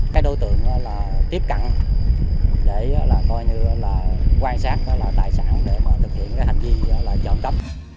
cái đối tượng là tiếp cận để coi như là quan sát tài sản để thực hiện hành vi trộm cắp